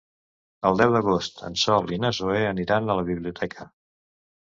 El deu d'agost en Sol i na Zoè aniran a la biblioteca.